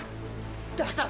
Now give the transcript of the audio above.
minta sertifikat tanah